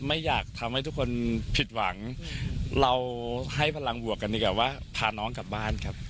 ไม่อยากทำให้ทุกคนผิดหวังเราให้พลังบวกกันดีกว่าว่าพาน้องกลับบ้านครับ